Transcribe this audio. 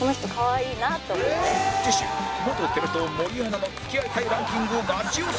次週元テレ東森アナの付き合いたいランキングをガチ予想！